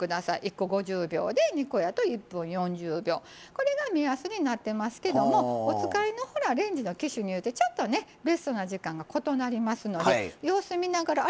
これが目安になってますけどもお使いのレンジの機種によってちょっとねベストな時間が異なりますので様子見ながらあれ？